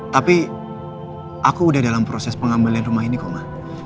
tapi aku udah dalam proses pengambilan rumah ini kok mah